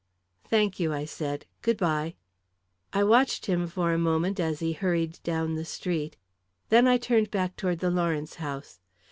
"Thank you," I said. "Good bye." I watched him for a moment, as he hurried down the street; then I turned back towards the Lawrence house.